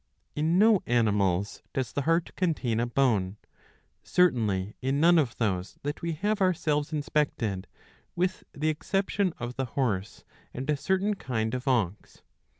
In no animals does the heart contain a bone, certainly in none of those that we have ourselves inspected, '^^ with the exception of the horse and a certain kind of ox.